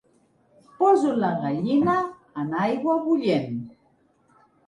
Poso la gallina en aigua bullent.